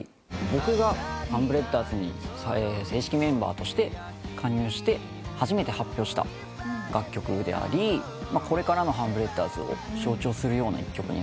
僕がハンブレッダーズに正式メンバーとして加入して初めて発表した楽曲でありこれからのハンブレッダーズを象徴するような一曲になるかなと。